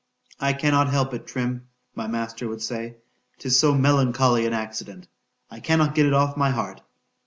I cannot help it, Trim, my master would say,—'tis so melancholy an accident—I cannot get it off my heart.